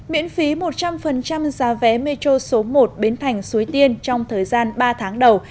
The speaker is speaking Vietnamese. miễn phí một trăm linh giá vé metro số một biến thành suối tiên trong thời gian ba tháng đầu